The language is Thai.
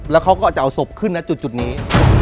แล้วเขาก็จะเอาศพขึ้นนะจุดนี้